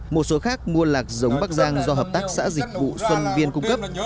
một số khác mua lạc giống bắc giang do hợp tác xã dịch vụ xuân viên cung cấp